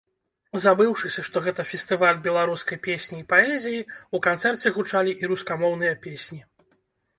Забыўшыся, што гэта фестываль беларускай песні і паэзіі, у канцэрце гучалі і рускамоўныя песні.